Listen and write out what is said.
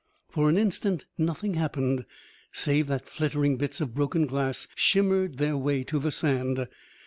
For an instant nothing happened, save that flittering bits of broken glass shimmered their way to the sand.